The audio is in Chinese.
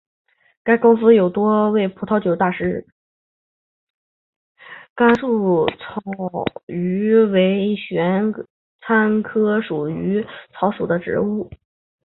甘肃醉鱼草为玄参科醉鱼草属的植物。